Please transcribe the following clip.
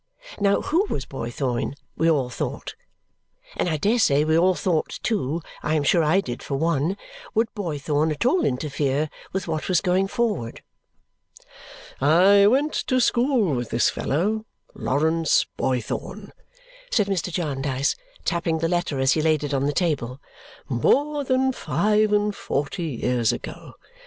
Now who was Boythorn, we all thought. And I dare say we all thought too I am sure I did, for one would Boythorn at all interfere with what was going forward? "I went to school with this fellow, Lawrence Boythorn," said Mr. Jarndyce, tapping the letter as he laid it on the table, "more than five and forty years ago.